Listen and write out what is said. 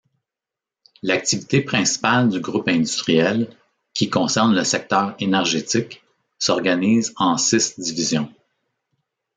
L'activité principale du groupe industriel, qui concerne le secteur énergétique, s'organise en six divisions.